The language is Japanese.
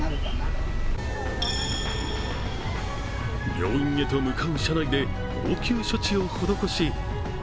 病院へと向かう車内で応急処置を施し